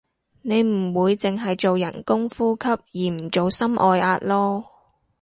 你唔會淨係做人工呼吸而唔做心外壓囉